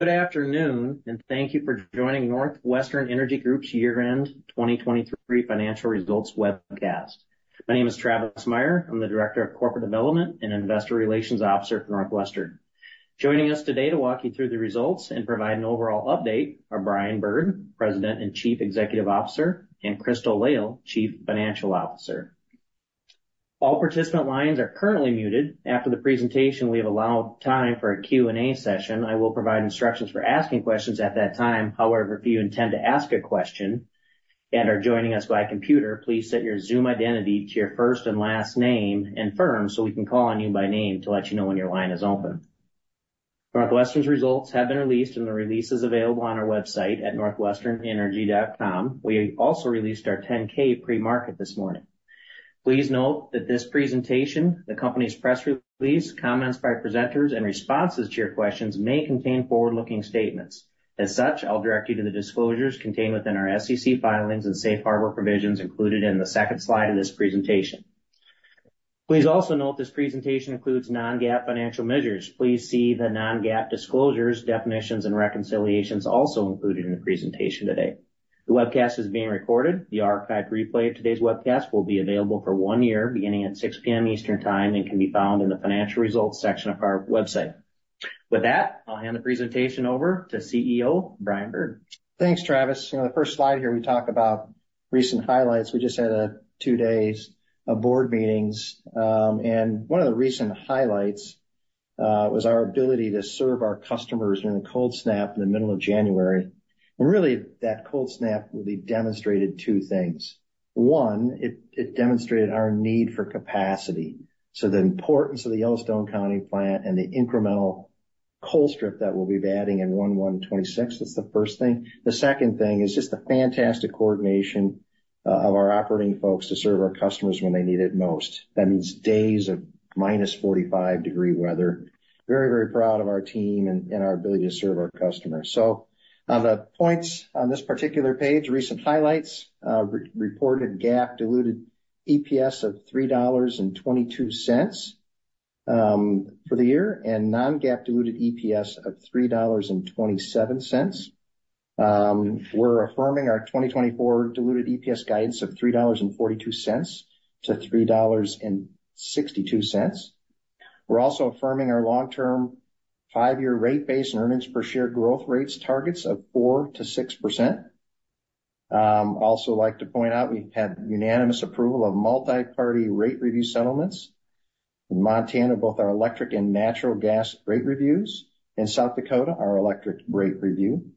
Good afternoon, and thank you for joining NorthWestern Energy Group's year-end 2023 financial results webcast. My name is Travis Meyer. I'm the Director of Corporate Development and Investor Relations Officer at NorthWestern. Joining us today to walk you through the results and provide an overall update are Brian Bird, President and Chief Executive Officer, and Crystal Lail, Chief Financial Officer. All participant lines are currently muted. After the presentation, we have allowed time for a Q&A session. I will provide instructions for asking questions at that time. However, if you intend to ask a question and are joining us by computer, please set your Zoom identity to your first and last name and firm, so we can call on you by name to let you know when your line is open. NorthWestern's results have been released, and the release is available on our website at northwesternenergy.com. We also released our 10-K pre-market this morning. Please note that this presentation, the company's press release, comments by presenters, and responses to your questions may contain forward-looking statements. As such, I'll direct you to the disclosures contained within our SEC filings and Safe Harbor provisions included in the second slide of this presentation. Please also note this presentation includes non-GAAP financial measures. Please see the non-GAAP disclosures, definitions, and reconciliations also included in the presentation today. The webcast is being recorded. The archived replay of today's webcast will be available for one year, beginning at 6:00 P.M. Eastern Time, and can be found in the Financial Results section of our website. With that, I'll hand the presentation over to CEO, Brian Bird. Thanks, Travis. You know, the first slide here, we talk about recent highlights. We just had two days of board meetings, and one of the recent highlights was our ability to serve our customers during a cold snap in the middle of January. And really, that cold snap really demonstrated two things. One, it demonstrated our need for capacity, so the importance of the Yellowstone County plant and the incremental Colstrip that we'll be adding in 2026. That's the first thing. The second thing is just the fantastic coordination of our operating folks to serve our customers when they need it most. That means days of -45 degrees weather. Very, very proud of our team and our ability to serve our customers. So on the points on this particular page, recent highlights. Reported GAAP diluted EPS of $3.22 for the year, and non-GAAP diluted EPS of $3.27. We're affirming our 2024 diluted EPS guidance of $3.42-$3.62. We're also affirming our long-term five-year rate base and earnings per share growth rates targets of 4%-6%. Also like to point out, we had unanimous approval of multi-party rate review settlements. In Montana, both our electric and natural gas rate reviews. In South Dakota, our electric rate review.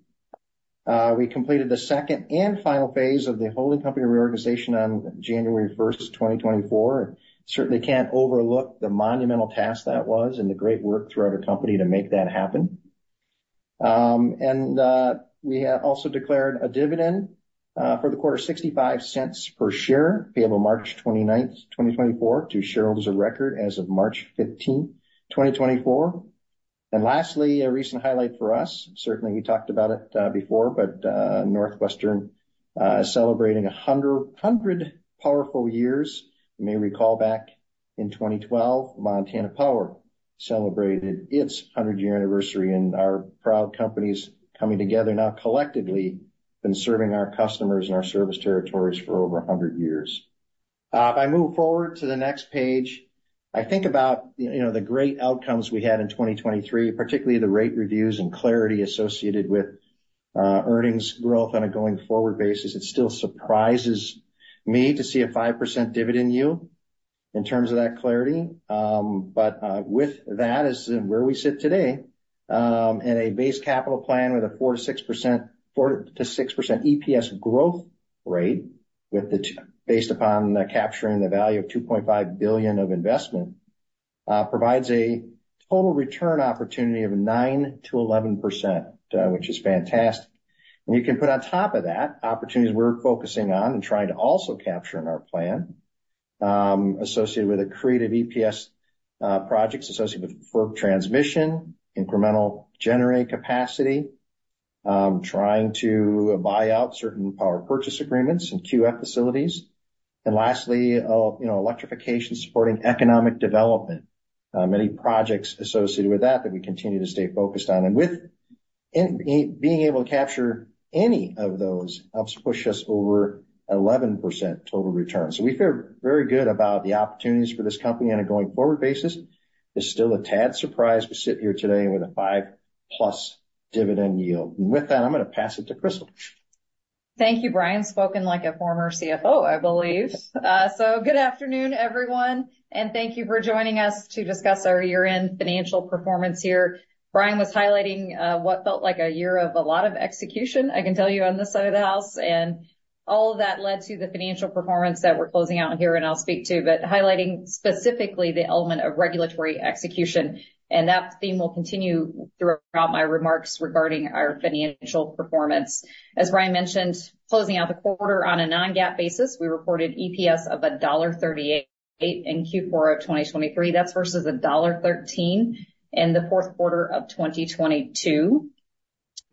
We completed the second and final phase of the holding company reorganization on January 1st, 2024. Certainly can't overlook the monumental task that was and the great work throughout our company to make that happen. We have also declared a dividend for the quarter, $0.65 per share, payable March 29th, 2024, to shareholders of record as of March 15th, 2024. And lastly, a recent highlight for us, certainly we talked about it before, but NorthWestern is celebrating 100 powerful years. You may recall back in 2012, Montana Power celebrated its 100-year anniversary, and our proud companies coming together now collectively been serving our customers in our service territories for over 100 years. If I move forward to the next page, I think about, you know, the great outcomes we had in 2023, particularly the rate reviews and clarity associated with earnings growth on a going-forward basis. It still surprises me to see a 5% dividend yield in terms of that clarity. But with that is where we sit today, in a base capital plan with a 4%-6%, 4%-6% EPS growth rate, with the based upon capturing the value of $2.5 billion of investment, provides a total return opportunity of 9%-11%, which is fantastic. We can put on top of that, opportunities we're focusing on and trying to also capture in our plan, associated with accretive EPS, projects associated with FERC transmission, incremental generating capacity, trying to buy out certain power purchase agreements and QF facilities. And lastly, you know, electrification supporting economic development. Many projects associated with that, that we continue to stay focused on. And with in being able to capture any of those, helps push us over 11% total return. We feel very good about the opportunities for this company on a going-forward basis. It's still a tad surprise to sit here today with a 5+ dividend yield. With that, I'm gonna pass it to Crystal. Thank you, Brian. Spoken like a former CFO, I believe. So good afternoon, everyone, and thank you for joining us to discuss our year-end financial performance here. Brian was highlighting what felt like a year of a lot of execution, I can tell you on this side of the house, and all of that led to the financial performance that we're closing out here, and I'll speak to. But highlighting specifically the element of regulatory execution, and that theme will continue throughout my remarks regarding our financial performance. As Brian mentioned, closing out the quarter on a non-GAAP basis, we reported EPS of $1.38 in Q4 of 2023. That's versus $1.13 in the fourth quarter of 2022.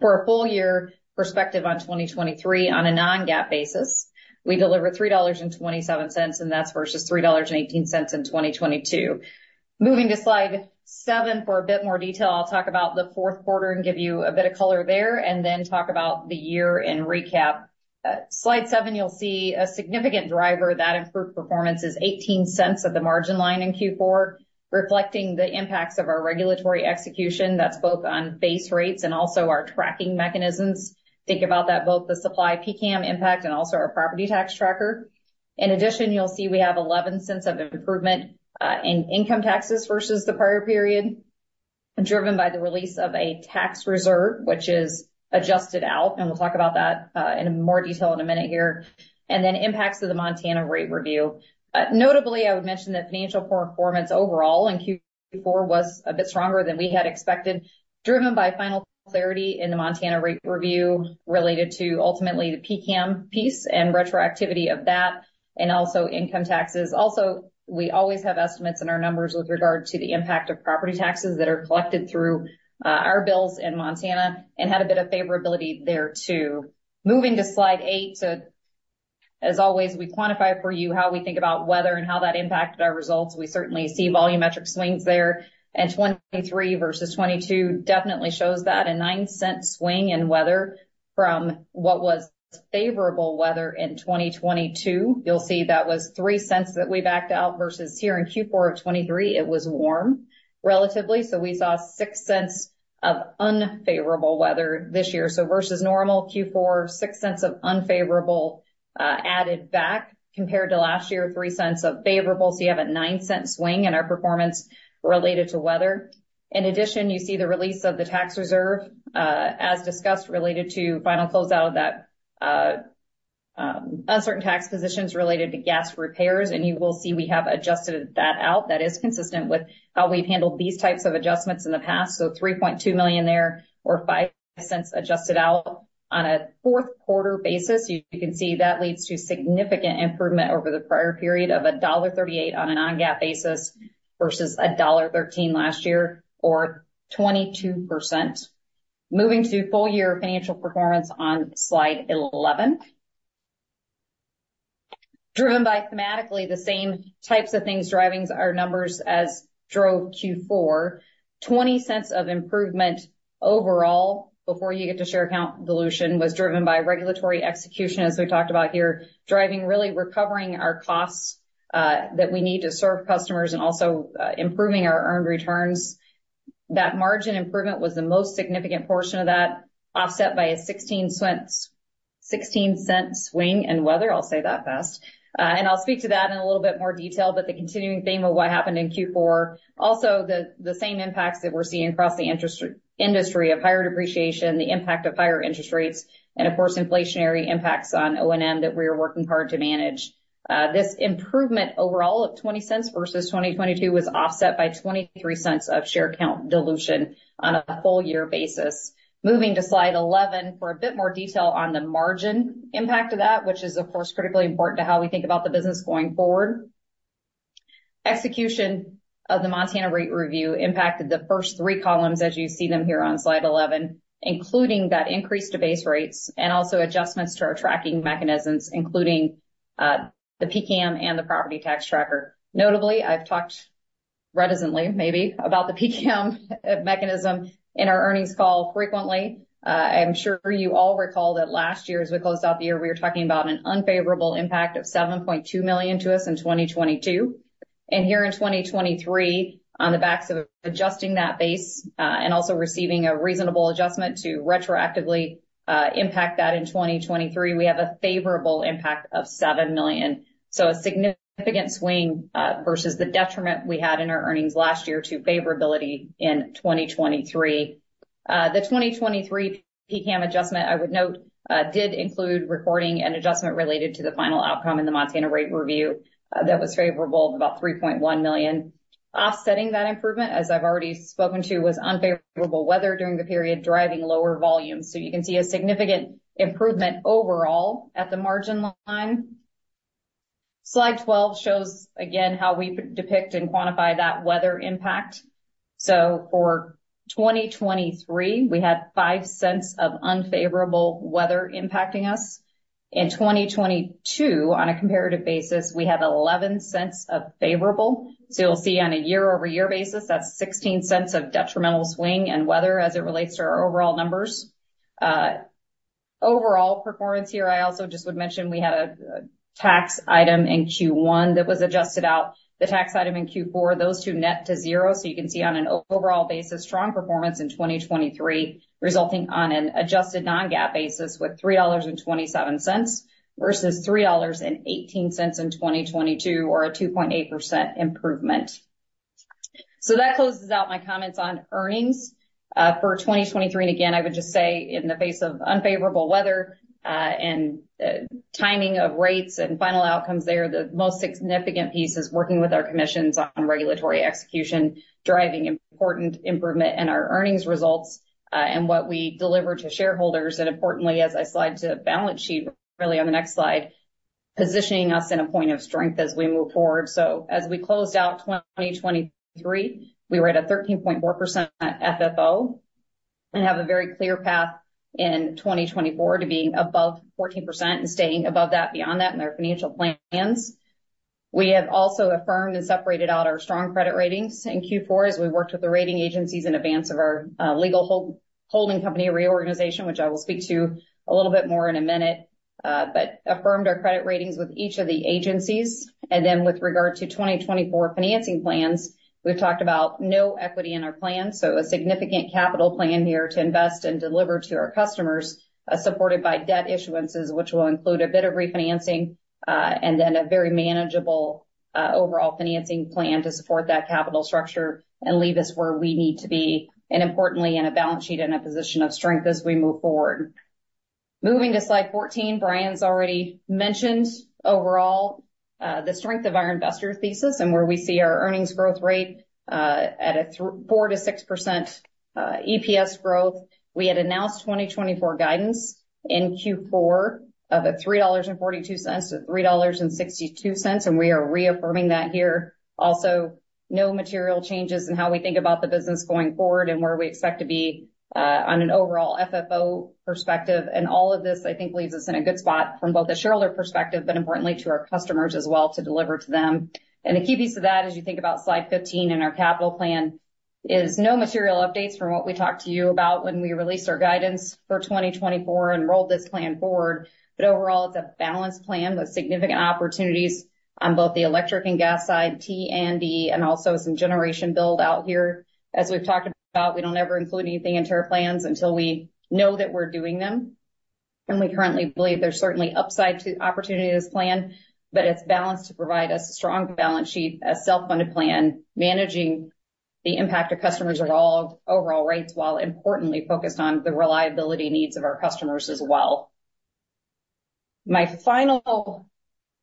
For a full year perspective on 2023, on a non-GAAP basis, we delivered $3.27, and that's versus $3.18 in 2022. Moving to slide 7 for a bit more detail. I'll talk about the fourth quarter and give you a bit of color there, and then talk about the year in recap. Slide seven, you'll see a significant driver that improved performance is $0.18 at the margin line in Q4, reflecting the impacts of our regulatory execution. That's both on base rates and also our tracking mechanisms. Think about that, both the supply PCCAM impact and also our property tax tracker. In addition, you'll see we have $0.11 of improvement in income taxes versus the prior period, driven by the release of a tax reserve, which is adjusted out, and we'll talk about that in more detail in a minute here, and then impacts of the Montana rate review. Notably, I would mention that financial performance overall in Q4 was a bit stronger than we had expected, driven by final clarity in the Montana rate review, related to ultimately the PCCAM piece and retroactivity of that, and also income taxes. Also, we always have estimates in our numbers with regard to the impact of property taxes that are collected through our bills in Montana and had a bit of favorability there, too. Moving to slide eight. So as always, we quantify for you how we think about weather and how that impacted our results. We certainly see volumetric swings there, and 2023 versus 2022 definitely shows that. A $0.09 swing in weather from what was favorable weather in 2022. You'll see that was $0.03 that we backed out versus here in Q4 of 2023, it was warm, relatively. So we saw $0.06 of unfavorable weather this year. So versus normal Q4, $0.06 of unfavorable added back, compared to last year, $0.03 of favorable. So you have a $0.09 swing in our performance related to weather. In addition, you see the release of the tax reserve, as discussed, related to final closeout of that, uncertain tax positions related to gas repairs, and you will see we have adjusted that out. That is consistent with how we've handled these types of adjustments in the past. So $3.2 million there or $0.05 adjusted out. On a fourth quarter basis, you can see that leads to significant improvement over the prior period of $1.38 on a Non-GAAP basis versus $1.13 last year, or 22%. Moving to full year financial performance on slide 11. Driven by thematically, the same types of things, driving our numbers as drove Q4. $0.20 of improvement overall, before you get to share count dilution, was driven by regulatory execution, as we talked about here, driving really recovering our costs, that we need to serve customers and also, improving our earned returns. That margin improvement was the most significant portion of that, offset by a $ 0.16, $0.16 swing in weather. I'll say that fast. And I'll speak to that in a little bit more detail. But the continuing theme of what happened in Q4, also the same impacts that we're seeing across the industry of higher depreciation, the impact of higher interest rates, and of course, inflationary impacts on O&M that we are working hard to manage. This improvement overall of $0.20 versus 2022, was offset by $0.23 of share count dilution on a full year basis. Moving to slide 11 for a bit more detail on the margin impact of that, which is, of course, critically important to how we think about the business going forward. Execution of the Montana rate review impacted the first three columns as you see them here on slide 11, including that increase to base rates and also adjustments to our tracking mechanisms, including, the PCCAM and the property tax tracker. Notably, I've talked reticently, maybe, about the PCCAM mechanism in our earnings call frequently. I'm sure you all recall that last year, as we closed out the year, we were talking about an unfavorable impact of $7.2 million to us in 2022. And here in 2023, on the backs of adjusting that base, and also receiving a reasonable adjustment to retroactively impact that in 2023, we have a favorable impact of $7 million. So a significant swing, versus the detriment we had in our earnings last year to favorability in 2023. The 2023 PCCAM adjustment, I would note, did include recording an adjustment related to the final outcome in the Montana rate review that was favorable of about $3.1 million. Offsetting that improvement, as I've already spoken to, was unfavorable weather during the period, driving lower volumes. So you can see a significant improvement overall at the margin line. Slide 12 shows again how we depict and quantify that weather impact. So for 2023, we had $0.05 of unfavorable weather impacting us. In 2022, on a comparative basis, we had $0.11 of favorable. So you'll see on a year-over-year basis, that's $0.16 of detrimental swing in weather as it relates to our overall numbers. Overall performance here, I also just would mention we had a tax item in Q1 that was adjusted out. The tax item in Q4, those two net to zero. So you can see on an overall basis, strong performance in 2023, resulting on an adjusted non-GAAP basis with $3.27 versus $3.18 in 2022, or a 2.8% improvement. So that closes out my comments on earnings for 2023. And again, I would just say, in the face of unfavorable weather, and timing of rates and final outcomes there, the most significant piece is working with our commissions on regulatory execution, driving important improvement in our earnings results, and what we deliver to shareholders. And importantly, as I slide to the balance sheet, really on the next slide, positioning us in a point of strength as we move forward. So as we closed out 2023, we were at a 13.4% FFO, and have a very clear path in 2024 to being above 14% and staying above that, beyond that, in our financial plans. We have also affirmed and separated out our strong credit ratings in Q4 as we worked with the rating agencies in advance of our legal holding company reorganization, which I will speak to a little bit more in a minute, but affirmed our credit ratings with each of the agencies. And then with regard to 2024 financing plans, we've talked about no equity in our plan, so a significant capital plan here to invest and deliver to our customers, supported by debt issuances, which will include a bit of refinancing, and then a very manageable, overall financing plan to support that capital structure and leave us where we need to be, and importantly, in a balance sheet in a position of strength as we move forward. Moving to slide 14. Brian's already mentioned overall, the strength of our investor thesis and where we see our earnings growth rate, at a 4%-6% EPS growth. We had announced 2024 guidance in Q4 of $3.42-$3.62, and we are reaffirming that here. Also, no material changes in how we think about the business going forward and where we expect to be on an overall FFO perspective. And all of this, I think, leaves us in a good spot from both a shareholder perspective, but importantly to our customers as well, to deliver to them. And the key piece to that, as you think about slide 15 and our capital plan, is no material updates from what we talked to you about when we released our guidance for 2024 and rolled this plan forward. But overall, it's a balanced plan with significant opportunities on both the electric and gas side, T&D, and also some generation build out here. As we've talked about, we don't ever include anything into our plans until we know that we're doing them, and we currently believe there's certainly upside to opportunity to this plan, but it's balanced to provide us a strong balance sheet, a self-funded plan, managing the impact of customers involved overall rates, while importantly focused on the reliability needs of our customers as well. My final,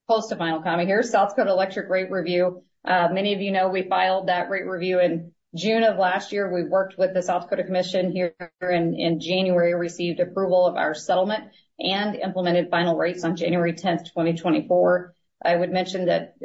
close to final comment here, South Dakota Electric Rate Review. Many of you know we filed that rate review in June of last year. We worked with the South Dakota Commission here in January, received approval of our settlement and implemented final rates on January 10th, 2024. I would mention that,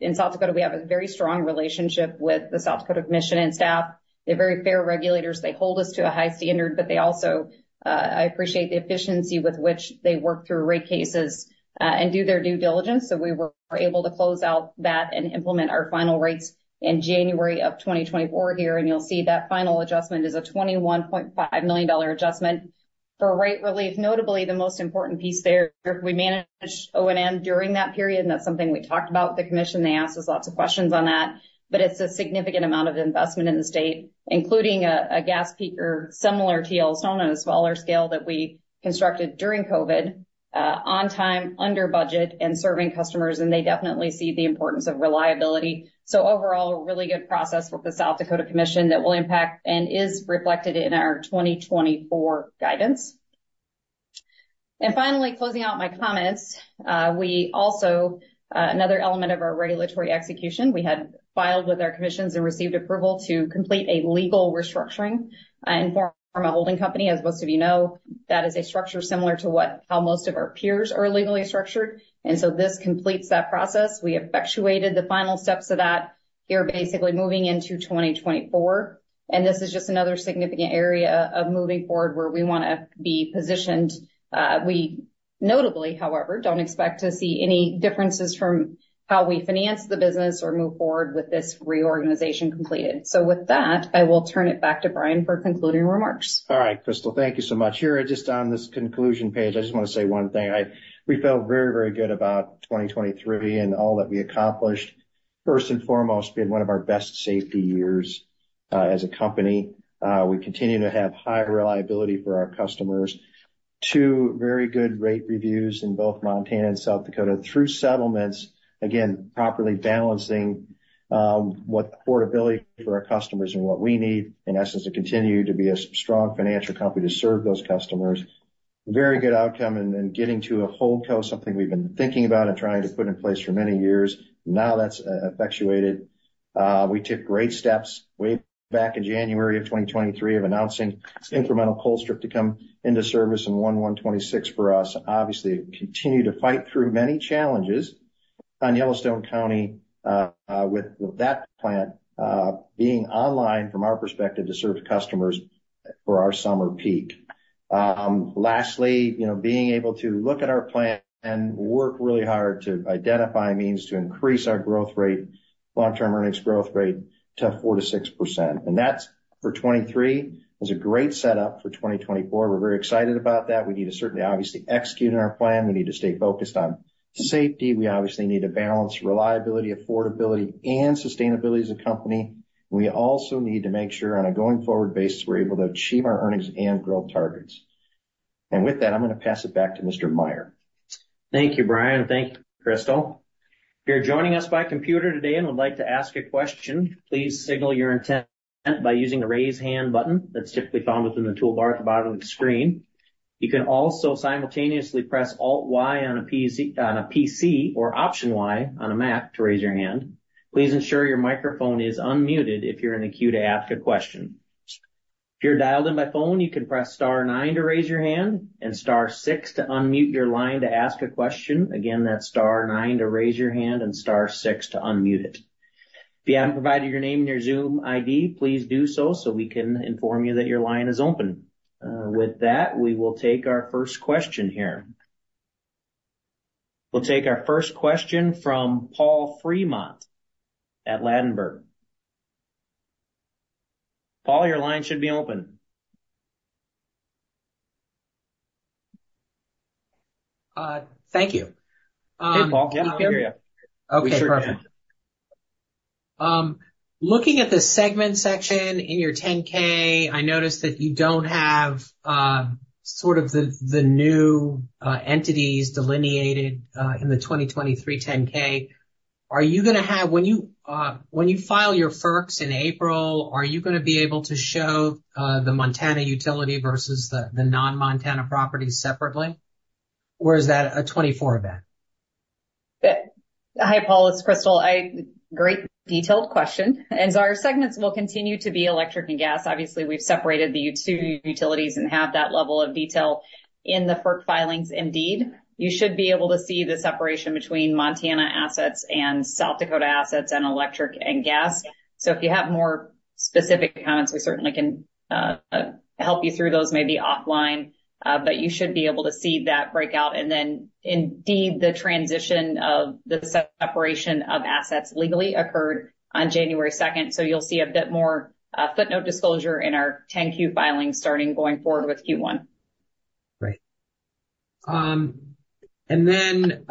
in South Dakota, we have a very strong relationship with the South Dakota Commission and staff. They're very fair regulators. They hold us to a high standard, but they also. I appreciate the efficiency with which they work through rate cases, and do their due diligence. So we were able to close out that and implement our final rates in January 2024 here, and you'll see that final adjustment is a $21.5 million adjustment for rate relief. Notably, the most important piece there, we managed O&M during that period, and that's something we talked about with the commission. They asked us lots of questions on that, but it's a significant amount of investment in the state, including a gas peaker, similar to Yellowstone on a smaller scale, that we constructed during COVID, on time, under budget and serving customers, and they definitely see the importance of reliability. So overall, a really good process with the South Dakota Commission that will impact and is reflected in our 2024 guidance. And finally, closing out my comments, we also, another element of our regulatory execution, we had filed with our commissions and received approval to complete a legal restructuring and form a holding company. As most of you know, that is a structure similar to what how most of our peers are legally structured, and so this completes that process. We effectuated the final steps of that here, basically moving into 2024, and this is just another significant area of moving forward where we wanna be positioned. We notably, however, don't expect to see any differences from how we finance the business or move forward with this reorganization completed. So with that, I will turn it back to Brian for concluding remarks. All right, Crystal, thank you so much. Here, just on this conclusion page, I just want to say one thing. We feel very, very good about 2023 and all that we accomplished. First and foremost, being one of our best safety years as a company. We continue to have high reliability for our customers. Two very good rate reviews in both Montana and South Dakota through settlements. Again, properly balancing what affordability for our customers and what we need, in essence, to continue to be a strong financial company to serve those customers. Very good outcome and, and getting to a HoldCo, something we've been thinking about and trying to put in place for many years. Now, that's effectuated. We took great steps way back in January of 2023 of announcing this incremental Colstrip to come into service in 1/1/2026 for us. Obviously, continue to fight through many challenges on Yellowstone County, with that plant being online, from our perspective, to serve customers for our summer peak. Lastly, you know, being able to look at our plan and work really hard to identify means to increase our growth rate, long-term earnings growth rate, to 4%-6%, and that's for 2023. It's a great setup for 2024. We're very excited about that. We need to certainly obviously execute on our plan. We need to stay focused on safety. We obviously need to balance reliability, affordability, and sustainability as a company. We also need to make sure, on a going-forward basis, we're able to achieve our earnings and growth targets. And with that, I'm gonna pass it back to Mr. Meyer. Thank you, Brian. Thank you, Crystal. If you're joining us by computer today and would like to ask a question, please signal your intent by using the Raise Hand button that's typically found within the toolbar at the bottom of the screen. You can also simultaneously press Alt Y on a PC, on a PC or Option Y on a Mac to raise your hand. Please ensure your microphone is unmuted if you're in a queue to ask a question. If you're dialed in by phone, you can press star nine to raise your hand and star six to unmute your line to ask a question. Again, that's star nine to raise your hand and star six to unmute it. If you haven't provided your name and your Zoom ID, please do so, so we can inform you that your line is open. With that, we will take our first question here. We'll take our first question from Paul Fremont at Ladenburg. Paul, your line should be open. Thank you. Hey, Paul. Yeah, we can hear you. Okay, perfect. We sure can. Looking at the segment section in your 10-K, I noticed that you don't have sort of the, the new entities delineated in the 2023 10-K. Are you gonna have—when you, when you file your FERC in April, are you gonna be able to show the Montana utility versus the, the non-Montana properties separately, or is that a 2024 event? Hi, Paul, it's Crystal. Great detailed question, and so our segments will continue to be electric and gas. Obviously, we've separated the two utilities and have that level of detail in the FERC filings. Indeed, you should be able to see the separation between Montana assets and South Dakota assets, and electric and gas. So if you have more specific comments, we certainly can help you through those, maybe offline, but you should be able to see that breakout. And then, indeed, the transition of the separation of assets legally occurred on January 2nd. So you'll see a bit more footnote disclosure in our 10-Q filing starting going forward with Q1. Great. And then,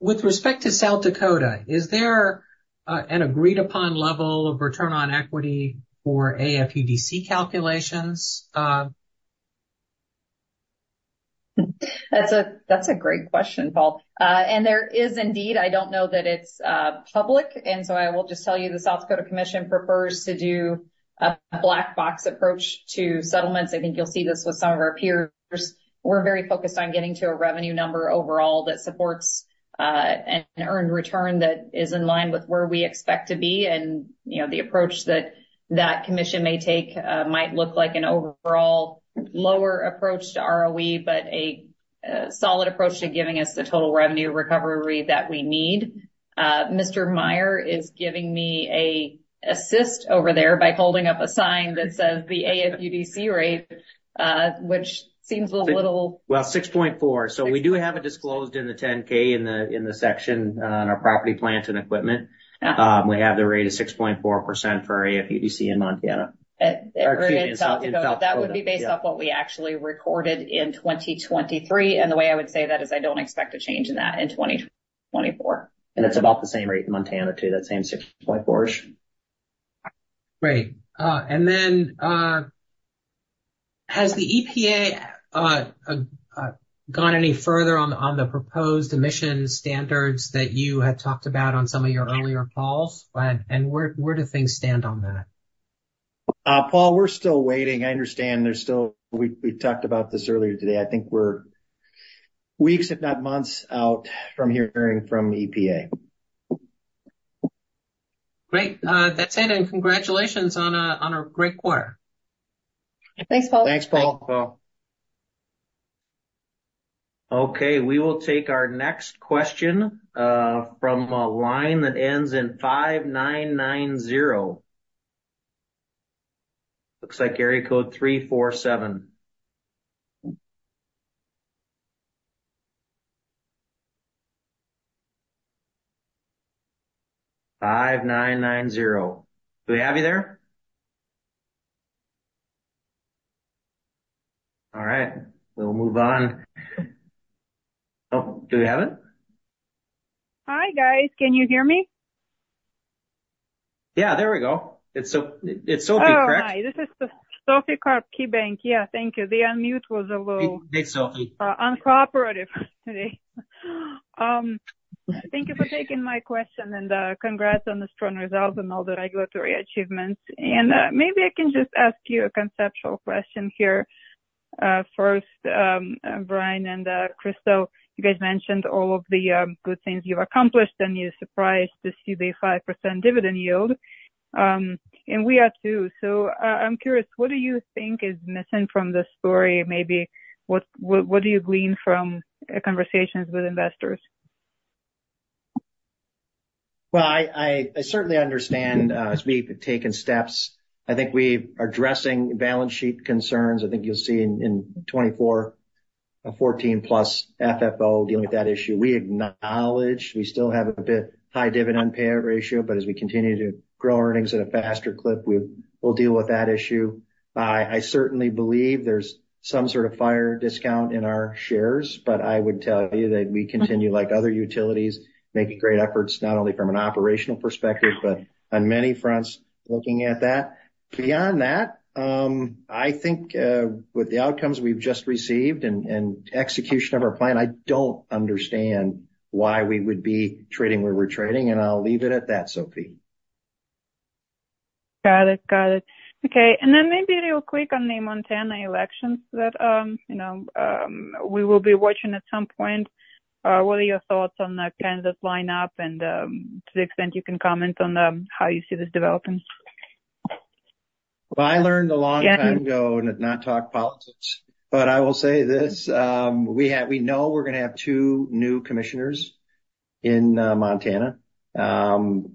with respect to South Dakota, is there an agreed-upon level of return on equity for AFUDC calculations? That's a, that's a great question, Paul. There is indeed. I don't know that it's public, and so I will just tell you, the South Dakota Commission prefers to do a black box approach to settlements. I think you'll see this with some of our peers. We're very focused on getting to a revenue number overall that supports an earned return that is in line with where we expect to be. You know, the approach that that commission may take might look like an overall lower approach to ROE, but a solid approach to giving us the total revenue recovery that we need. Mr. Meyer is giving me an assist over there by holding up a sign that says the AFUDC rate, which seems a little- Well, 6.4%. So we do have it disclosed in the 10-K, in the, in the section on our property, plant, and equipment. Yeah. We have the rate of 6.4% for AFUDC in Montana. Or in South Dakota. In South Dakota. That would be based off what we actually recorded in 2023, and the way I would say that is I don't expect a change in that in 2024. It's about the same rate in Montana, too, that same 6.4%. Great. And then, has the EPA gone any further on the proposed emission standards that you had talked about on some of your earlier calls? And where do things stand on that? Paul, we're still waiting. I understand there's still. We talked about this earlier today. I think we're weeks, if not months, out from hearing from EPA. Great. That's it, and congratulations on a great quarter. Thanks, Paul. Thanks, Paul. Thanks, Paul. Okay, we will take our next question from a line that ends in five nine nine zero. Looks like area code three four seven. Five nine nine zero. Do we have you there? All right, we'll move on. Oh, do we have it? Hi, guys. Can you hear me? Yeah, there we go. It's Sophie, correct? Oh, hi. This is Sophie Karp, KeyBanc. Yeah, thank you. The unmute was a little- Hey, Sophie. Uncooperative today. Thank you for taking my question, and congrats on the strong results and all the regulatory achievements. And maybe I can just ask you a conceptual question here. First, Brian and Crystal, you guys mentioned all of the good things you've accomplished, and you're surprised to see the 5% dividend yield. And we are too. So, I'm curious, what do you think is missing from this story? Maybe what, what, what do you glean from conversations with investors? Well, I certainly understand as we've taken steps. I think we are addressing balance sheet concerns. I think you'll see in 2024 a 14+ FFO dealing with that issue. We acknowledge we still have a bit high dividend payout ratio, but as we continue to grow earnings at a faster clip, we will deal with that issue. I certainly believe there's some sort of fair discount in our shares, but I would tell you that we continue, like other utilities, making great efforts, not only from an operational perspective, but on many fronts looking at that. Beyond that, I think with the outcomes we've just received and execution of our plan, I don't understand why we would be trading where we're trading, and I'll leave it at that, Sophie. Got it. Got it. Okay, and then maybe real quick on the Montana elections that, you know, we will be watching at some point. What are your thoughts on the candidate lineup and, to the extent you can comment on, how you see this developing? Well, I learned a long time ago not to talk politics, but I will say this, we have—we know we're gonna have two new commissioners in Montana. President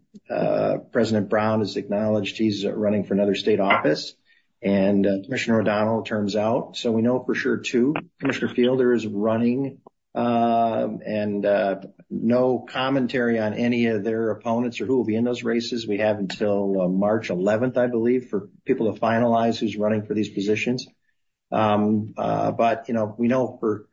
Brown has acknowledged he's running for another state office, and Commissioner O'Donnell turns out. So we know for sure two. Commissioner Fielder is running, and no commentary on any of their opponents or who will be in those races. We have until March eleventh, I believe, for people to finalize who's running for these positions. But, you know, we know for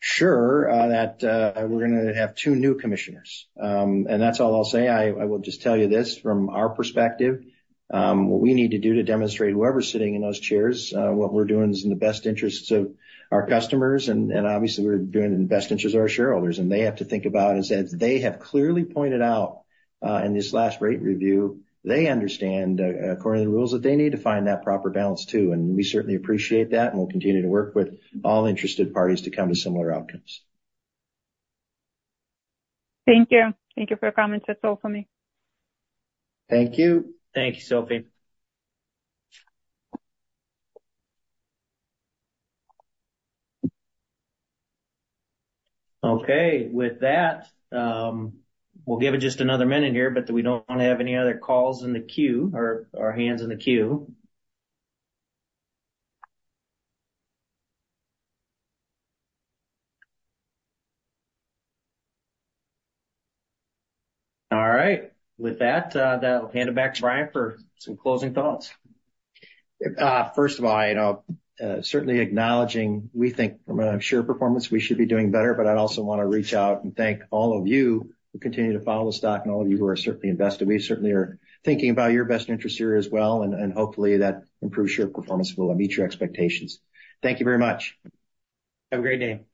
sure that we're gonna have two new commissioners. And that's all I'll say. I will just tell you this from our perspective, what we need to do to demonstrate whoever's sitting in those chairs, what we're doing is in the best interests of our customers, and obviously we're doing it in the best interests of our shareholders. And they have to think about, and as they have clearly pointed out, in this last rate review, they understand, according to the rules, that they need to find that proper balance too, and we certainly appreciate that, and we'll continue to work with all interested parties to come to similar outcomes. Thank you. Thank you for your comments, that's all for me. Thank you. Thank you, Sophie. Okay, with that, we'll give it just another minute here, but we don't want to have any other calls in the queue or hands in the queue. All right. With that, I'll hand it back to Brian for some closing thoughts. First of all, you know, certainly acknowledging we think from a share performance, we should be doing better, but I'd also want to reach out and thank all of you who continue to follow the stock and all of you who are certainly invested. We certainly are thinking about your best interests here as well, and, and hopefully that improves share performance and will meet your expectations. Thank you very much. Have a great day.